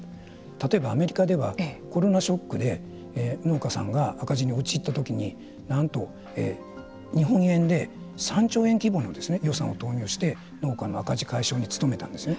例えば、アメリカではコロナショックで農家さんが赤字に陥ったときになんと、日本円で３兆円規模の予算を投入して農家の赤字解消に努めたんですね。